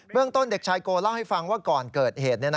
เรื่องต้นเด็กชายโกเล่าให้ฟังว่าก่อนเกิดเหตุ